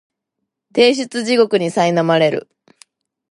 提出地獄にさいなまれる